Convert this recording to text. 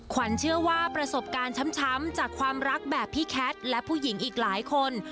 ขวัญเชื่อว่าประสบการณ์ช้ำจากความรักแบบพี่แคทและผู้หญิงอีกหลายคน